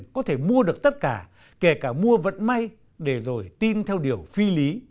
để mua được tất cả kể cả mua vận may để rồi tin theo điều phi lý